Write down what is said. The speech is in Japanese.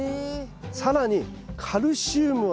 更にカルシウムはですね